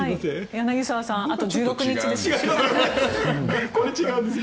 柳澤さん、あと１６日です。